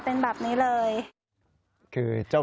ปลอดภัย